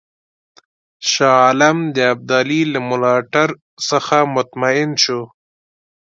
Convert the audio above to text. شاه عالم د ابدالي له ملاتړ څخه مطمئن شو.